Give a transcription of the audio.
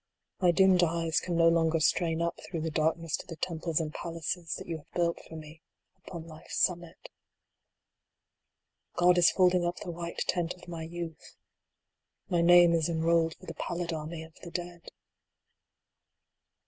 My dimmed eyes can no longer strain up through the darkness to the temples and palaces that you have built for me upon Life s summit God is folding up the white tent of my youth. My name is enrolled for the pallid army of the dead.